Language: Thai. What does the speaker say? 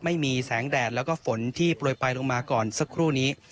ไม่มีแสงแดดแล้วก็ฝนที่โปรยไปลงมาก่อนสักครู่นี้